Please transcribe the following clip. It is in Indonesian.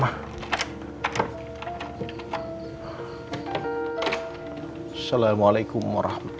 assalamualaikum wr wb